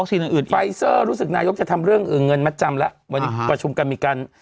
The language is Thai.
อีกรู้สึกนายกจะทำเรื่องเงินมัดจำละวันนี้ประชุมกรรมิการ